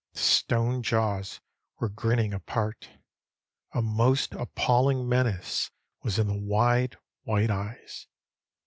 The stone jaws were grinning apart. A most appalling menace was in the wide, white eyes.